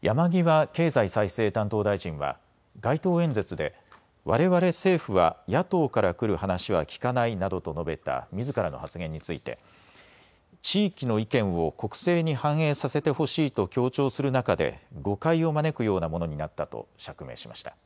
山際経済再生担当大臣は街頭演説で、われわれ政府は野党から来る話は聞かないなどと述べたみずからの発言について地域の意見を国政に反映させてほしいと強調する中で誤解を招くようなものになったと釈明しました。